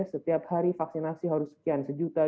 setiap hari vaksinasi harus sekian sejuta